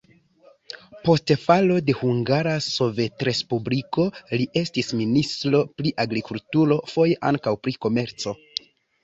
Post falo de Hungara Sovetrespubliko li estis ministro pri agrikulturo, foje ankaŭ pri komerco.